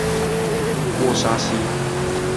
沃沙西。